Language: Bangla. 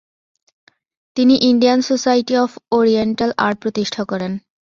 তিনি Indian Society of Oriental Art প্রতিষ্ঠা করেন।